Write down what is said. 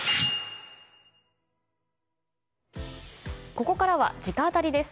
ここからは直アタリです。